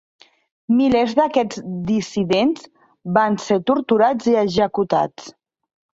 Milers d'aquests dissidents van ser torturats i executats.